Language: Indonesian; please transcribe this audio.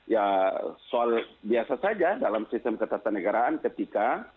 ya soal biasa saja dalam sistem ketatanegaraan ketika